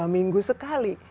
dua minggu sekali